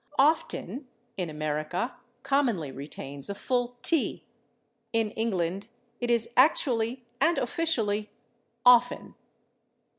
/Often/, in America, commonly retains a full /t/; in England it is actually and officially /offen